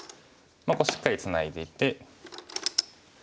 しっかりツナいでいて。